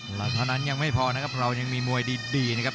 หลักเท่านั้นยังไม่พอนะครับเรายังมีมวยดีนะครับ